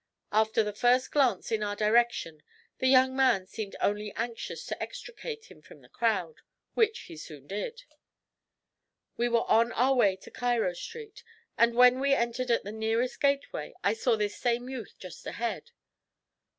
After the first glance in our direction, the young man seemed only anxious to extricate himself from the crowd, which he soon did. We were on our way to Cairo Street, and when we entered at the nearest gateway I saw this same youth just ahead.